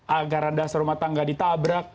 agar ada serumah tangga ditabrak